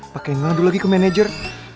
pakai ngadu lagi ke manajer